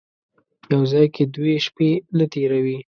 یو ځای کې دوې شپې نه تېروي.